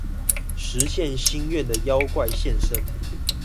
實現心願的妖怪現身